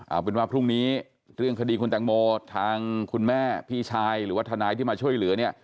เอาเป็นว่าพรุ่งนี้เรื่องคดีคุณแตงโมทางคุณแม่พี่ชายหรือว่าทนายที่มาช่วยเหลือเนี่ย